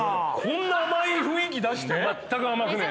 こんな甘い雰囲気出して？